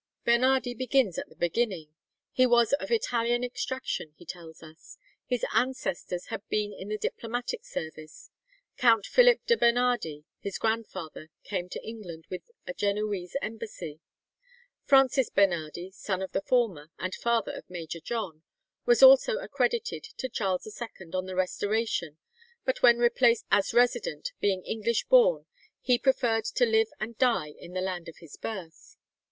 Bernardi begins at the beginning. He was of Italian extraction, he tells us. His ancestors had been in the diplomatic service. Count Philip de Bernardi, his grandfather, came to England with a Genoese embassy. Francis Bernardi, son of the former, and father of Major John, was also accredited to Charles II on the restoration, but when replaced as resident, being English born, he preferred to live and die in the land of his birth.